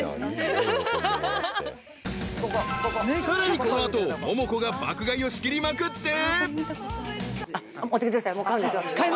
［さらにこの後モモコが爆買いを仕切りまくって］